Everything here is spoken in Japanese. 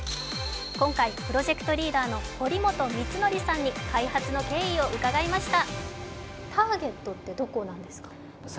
今回、プロジェクトリーダーの堀本光則さんに開発の経緯を伺いました。